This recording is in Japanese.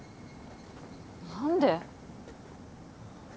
何で？